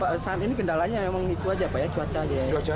pak saat ini kendalanya memang itu saja pak ya cuaca saja